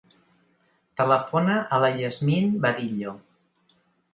Telefona a la Yasmin Vadillo.